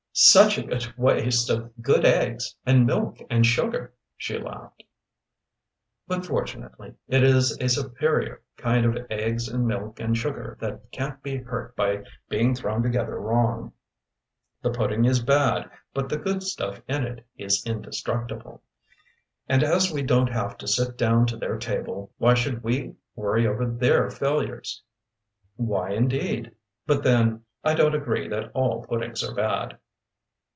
"Such a waste of good eggs and milk and sugar," she laughed. "But fortunately it is a superior kind of eggs and milk and sugar that can't be hurt by being thrown together wrong. The pudding is bad, but the good stuff in it is indestructible. And as we don't have to sit down to their table, why should we worry over their failures?" "Why, indeed? But then, I don't agree that all puddings are bad."